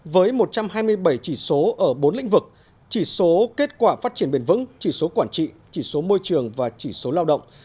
với một trăm hai mươi bảy chỉ số ở bốn lĩnh vực chỉ số kết quả phát triển bền vững chỉ số quản trị chỉ số môi trường và chỉ số lao động